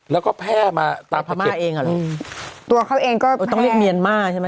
แล้วก็แพร่มาตามภาคเก็บตัวเขาเองก็แพร่ต้องเรียกเมียนม่าใช่ไหม